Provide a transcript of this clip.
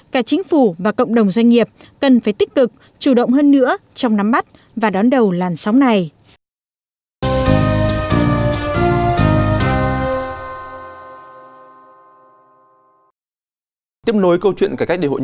cả chính phủ và cộng đồng doanh nghiệp cần phải tích cực chủ động hơn nữa trong nắm mắt và đón đầu làn sóng này